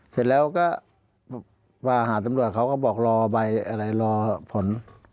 เสร็จแล้วก็มาหาตำรวจเขาก็บอกรอใบอะไรรอผล